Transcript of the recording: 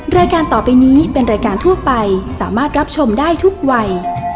รายการต่อไปนี้เป็นรายการทั่วไปสามารถรับชมได้ทุกวัย